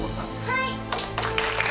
はい。